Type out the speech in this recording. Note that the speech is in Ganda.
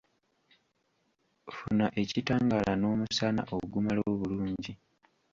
Funa ekitangaala n'omusana ogumala obulungi.